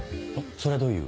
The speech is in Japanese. それはどういう？